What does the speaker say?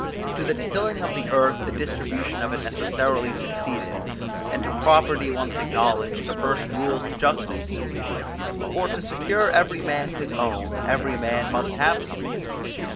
To the tilling of the earth the distribution of it necessarily succeeded, and to property once acknowledged, the first rules of justice: for to secure every man his own, every man must have something.